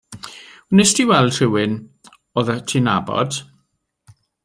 Wnest ti weld rywun odda chdi'n nabod?